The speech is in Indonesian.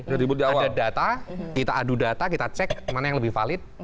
sudah ada data kita adu data kita cek mana yang lebih valid